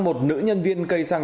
một nữ nhân viên cây xăng